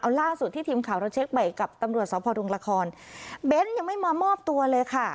เอาล่าสุดที่ทีมข่าวเราเช็คใหม่กับตำรวจสพดุงละครเบ้นยังไม่มามอบตัวเลยค่ะ